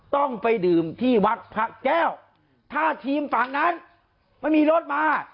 ต้องไปดื่มที่วัดพระแก้วถ้าทีมฝั่งนั้นไม่มีรถมา